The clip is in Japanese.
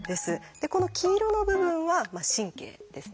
この黄色の部分は「神経」ですね。